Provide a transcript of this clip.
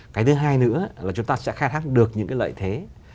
cái thứ hai nữa là chúng ta sẽ khai thác được những cái lợi thế